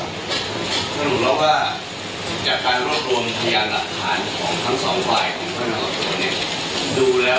สมมติว่าจากการรวบรวมพยายามรับฐานของทั้ง๒ฝ่าย